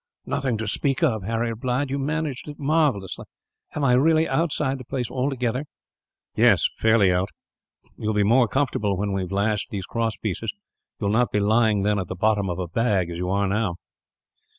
"Nothing to speak of," Harry replied. "You managed it marvellously. Am I really outside the place altogether?" "Yes, fairly out. You will be more comfortable when we have lashed these cross pieces. You will not be lying, then, at the bottom of a bag; as you are now."